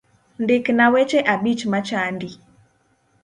Ndikna weche abich machandi